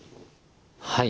はい。